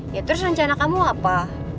ya terus rencana kamu apa